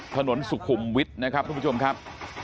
ถนนสุขุมวิทย์นะครับทุกผู้ชมครับ